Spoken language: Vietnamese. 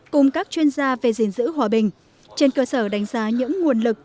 cùng các chuyên gia về gìn giữ hòa bình trên cơ sở đánh giá những nguồn lực